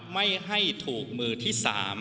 ไม่ให้ถูกมือที่๓